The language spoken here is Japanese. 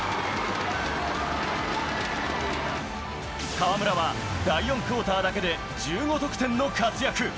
河村は第４クオーターだけで１５得点の活躍。